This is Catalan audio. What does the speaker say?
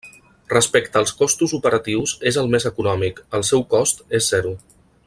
Respecte als costos operatius és el més econòmic, el seu cost és zero.